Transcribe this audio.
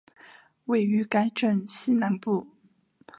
位于该镇西南部。